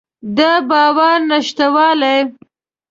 د باور نشتوالی.